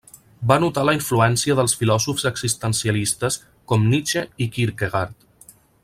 Va notar la influència dels filòsofs existencialistes com Nietzsche i Kierkegaard.